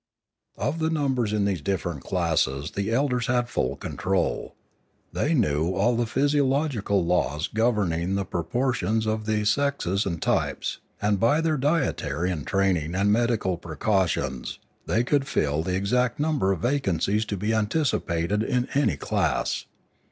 Of the numbers in these different classes the elders had full control. They knew all the physiological laws governing the proportions of the sexes and types, and by their dietary and training and medical precautions they could fill the exact number of vacancies to be anticipated in any class.